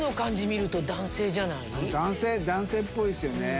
男性っぽいですよね。